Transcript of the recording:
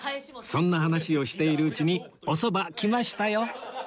そんな話をしているうちにおそば来ましたよ